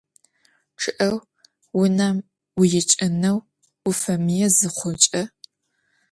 Ççı'eu, vunem vuiç'ıneu vufemıê zıxhuç'e.